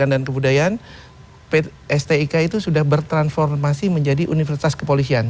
pendidikan dan kebudayaan pst ika itu sudah bertransformasi menjadi universitas kepolisian